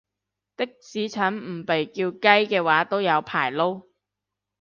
的士陳唔被叫雞嘅話都有排撈